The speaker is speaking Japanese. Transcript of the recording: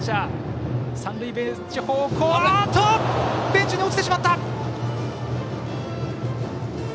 ベンチに落ちてしまった！